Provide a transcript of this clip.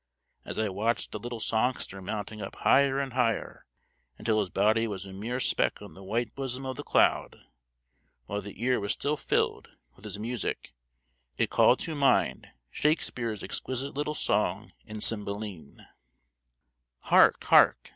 As I watched the little songster mounting up higher and higher, until his body was a mere speck on the white bosom of the cloud, while the ear was still filled with his music, it called to mind Shakespeare's exquisite little song in Cymbeline: Hark! hark!